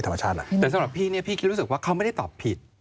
แต่สำหรับพี่เนี่ยพี่คิดรู้สึกว่าเขาไม่ได้ตอบผิด